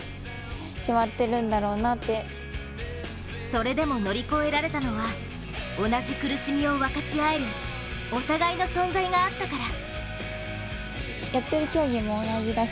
それでも乗り越えられたのは同じ苦しみを分かち合えるお互いの存在があったから。